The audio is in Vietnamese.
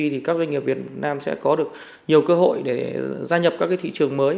thì các doanh nghiệp việt nam sẽ có được nhiều cơ hội để gia nhập các thị trường mới